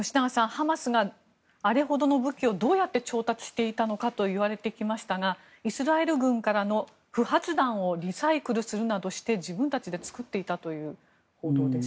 ハマスがあれほどの武器をどうやって調達していたのかといわれていますがイスラエル軍からの不発弾をリサイクルするなどして自分たちで作っていたということです。